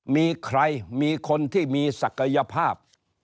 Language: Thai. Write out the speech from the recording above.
มีใครมีคนที่มีศักยภาพ